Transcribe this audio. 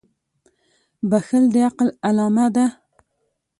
• بښل د عقل علامه ده.